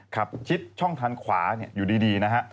ขับชิดช่องทางขวาเนี่ยอยู่ดีนะฮะ